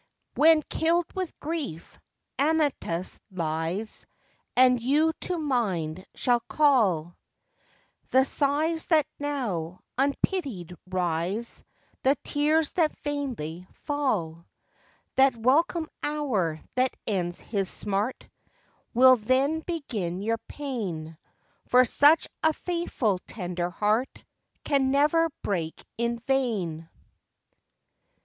When, killed with grief, Amyntas lies, And you to mind shall call The sighs that now unpitied rise, The tears that vainly fall; That welcome hour that ends his smart, Will then begin your pain; For such a faithful tender heart Can never break in vain.